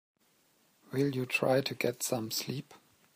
Will you try to get some sleep?